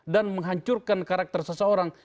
dan menghancurkan karakter seseorang